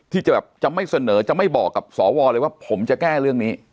ที่จะแบบจะไม่เสนอจะไม่บอกกับสวเลยว่าผมจะแก้เรื่องนี้